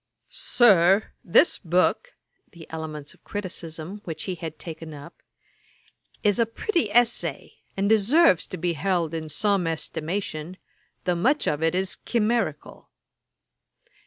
1763.] 'Sir, this book (The Elements of Criticism', which he had taken up,) is a pretty essay, and deserves to be held in some estimation, though much of it is chimerical.'